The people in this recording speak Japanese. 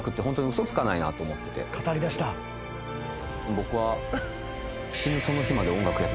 僕は。